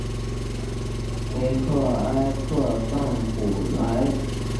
维克埃克桑普莱。